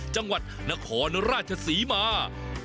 จังหวัดนครราชศรีมา